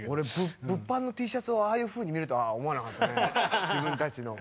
物販のＴシャツをああいうふうに見ると思わなかったね。